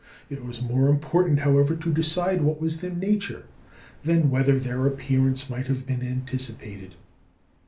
It was more important, however, to decide what was their nature than whether their appearance might have been anticipated.